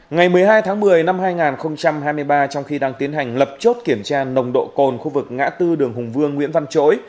ngày một mươi hai tháng một mươi năm hai nghìn hai mươi ba trong khi đang tiến hành lập chốt kiểm tra nồng độ cồn khu vực ngã tư đường hùng vương nguyễn văn chối